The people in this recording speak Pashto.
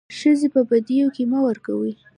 ښځي په بديو کي مه ورکوئ.